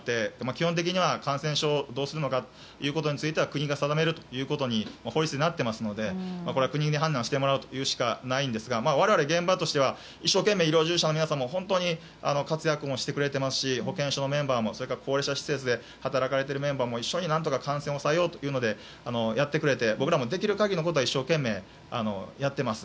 基本的には感染症をどうするかについては国が定めるということに法律でなっていますので国に判断してもらうしかないんですが我々、現場としては一生懸命医療従事者の方も本当に活躍もしてくれていますし保健所のメンバーもそれから高齢者施設で働かれているメンバーも一緒に何とか感染を抑えようとやってくれて僕らも一生懸命やっています。